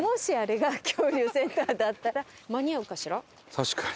確かに。